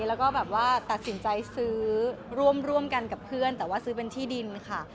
แล้วก็แบบว่าตัดสินใจซื้อร่วมกันกับเพื่อนแต่ว่าซื้อเป็นที่ดินค่ะ